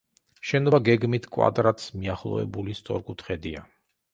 შენობა გეგმით კვადრატს მიახლოებული სწორკუთხედია.